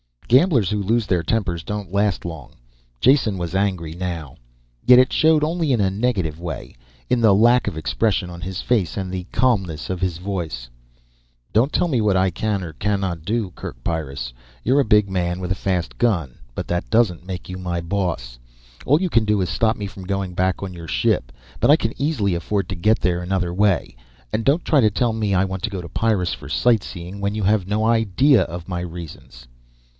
Gamblers who lose their tempers don't last long. Jason was angry now. Yet it showed only in a negative way. In the lack of expression on his face and the calmness of his voice. "Don't tell me what I can or cannot do, Kerk Pyrrus. You're a big man with a fast gun but that doesn't make you my boss. All you can do is stop me from going back on your ship. But I can easily afford to get there another way. And don't try to tell me I want to go to Pyrrus for sightseeing when you have no idea of my real reasons."